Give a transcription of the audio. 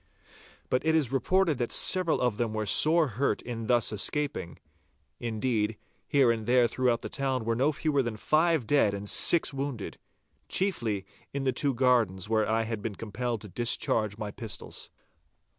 But it is reported that several of them were sore hurt in thus escaping—indeed, here and there throughout the town were no fewer than five dead and six wounded, chiefly in the two gardens where I had been compelled to discharge my pistols.